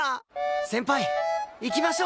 先輩行きましょう！